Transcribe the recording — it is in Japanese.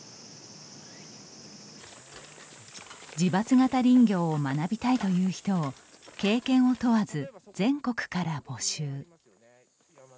自伐型林業を学びたいという人を経験を問わず、全国から募集。